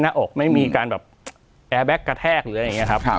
หน้าอกไม่มีการแบบแอร์แก๊กกระแทกหรืออะไรอย่างนี้ครับ